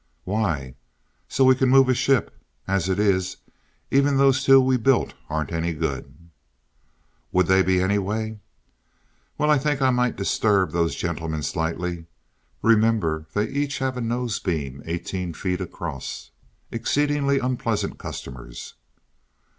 "Why?" "So we can move a ship. As it is, even those two we built aren't any good." "Would they be anyway?" "Well I think I might disturb those gentlemen slightly. Remember, they each have a nose beam eighteen feet across. Exceedingly unpleasant customers."